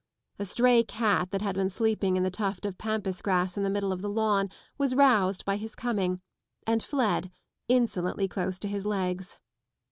A stray cat that had been sleeping in the tuft of pampas grass in the middle of the lawn was roused by his coming, and fled insolently close to his legs.